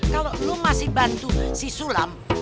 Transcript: kalo lu masih bantu si sulam